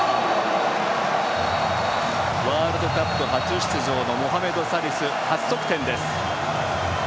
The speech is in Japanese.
ワールドカップ初出場のモハメド・サリス初得点です。